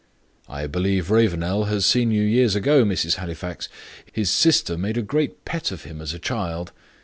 "I believe Ravenel has seen you years ago, Mrs. Halifax. His sister made a great pet of him as a child.